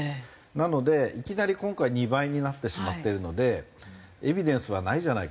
なのでいきなり今回２倍になってしまってるのでエビデンスはないじゃないかっていうのが１点です。